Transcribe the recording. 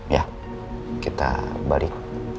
ya kita balik